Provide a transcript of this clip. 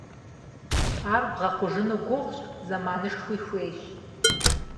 Ар бгъэхъужыну гугъущ, зэманышхуи хуейщ.